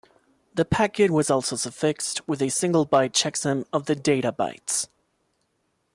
The packet was also suffixed with a single-byte checksum of the data bytes.